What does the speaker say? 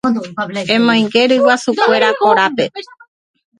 Emoinge ryguasukuéra korápe.